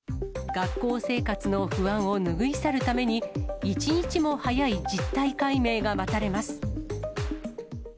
学校生活の不安を拭い去るために、一日も早い実態解明が待たれます。